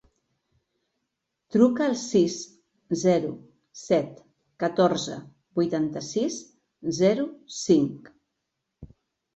Truca al sis, zero, set, catorze, vuitanta-sis, zero, cinc.